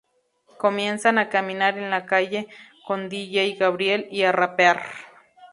Comienzan a caminar en la calle con Dj Gabriel y a rapear.